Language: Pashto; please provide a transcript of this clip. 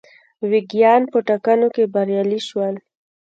ویګیان په ټاکنو کې بریالي شول.